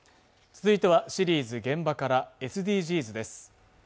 続いてはシリーズ「現場から」、「ＳＤＧｓ」です。